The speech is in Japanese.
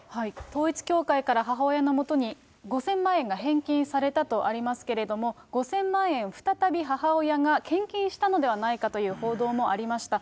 統一教会から母親のもとに５０００万円が返金されたとありますけれども、５０００万円再び母親が献金したのではないかという報道もありました。